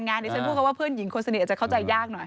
เดี๋ยวฉันพูดคำว่าเพื่อนหญิงคนสนิทอาจจะเข้าใจยากหน่อย